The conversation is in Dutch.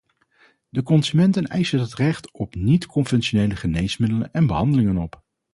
De consumenten eisen het recht op niet-conventionele geneesmiddelen en behandelingen op.